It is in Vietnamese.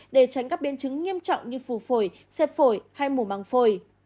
để tránh các biến chứng nghiêm trọng như phù phổi xẹp phổi hay mù măng phổi